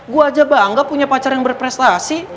gue aja bangga punya pacar yang berprestasi